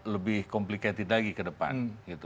lebih complicated lagi ke depan